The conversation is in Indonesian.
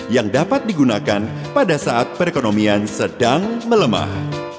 yang dapat digunakan pada saat perekonomian sedang melemah